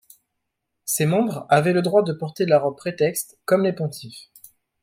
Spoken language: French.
Ses membres avaient le droit de porter la robe prétexte comme les pontifes.